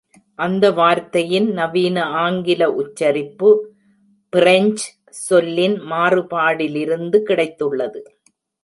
அந்த வார்த்தையின் நவீன ஆங்கில உச்சரிப்பு ஃபிரெஞ்ச் சொல்லின் மாறுபாடிலிருந்து கிடைத்துள்ளது.